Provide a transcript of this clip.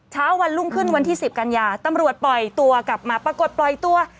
เช้าวันรุ่งขึ้นวันที่๑๐กันยาตำรวจปล่อยตัวกลับมาปรากฏปล่อยตัว